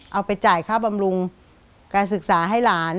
เอาไปจ่ายค่าบำรุงการศึกษาให้หลาน